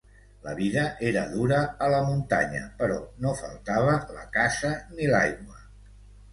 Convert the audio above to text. La vida era dura a la muntanya, però no faltava la caça ni l'aigua.